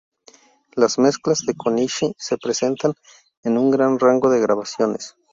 Las mezclas de Konishi se presentan en un gran rango de grabaciones.